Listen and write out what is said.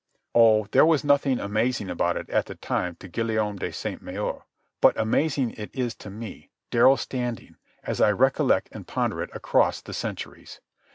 Oh, there was nothing amazing about it at the time to Guillaume de Sainte Maure, but amazing it is to me, Darrell Standing, as I recollect and ponder it across the centuries.